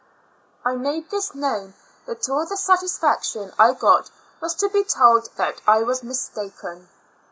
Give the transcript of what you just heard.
I made this known, but all the satisfac tion I got was to be told that I was mis taken.